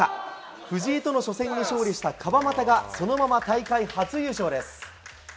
藤井との初戦に勝利した川又が、そのまま大会初優勝です。